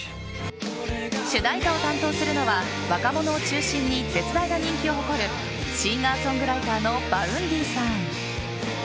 主題歌を担当するのは若者を中心に絶大な人気を誇るシンガーソングライターのＶａｕｎｄｙさん。